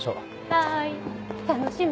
はい楽しみ！